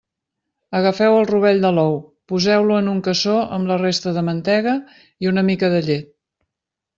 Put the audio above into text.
Agafeu el rovell de l'ou, poseu-lo en un cassó amb la resta de mantega i una mica de llet.